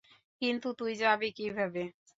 কিন্তু তুই যাবি কিভাবে?